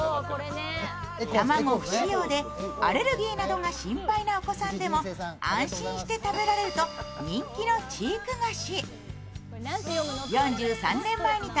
卵不使用でアレルギーなどが心配なお子さんでも安心して食べられると人気の知育菓子。